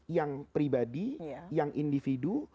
yang pribadi yang individu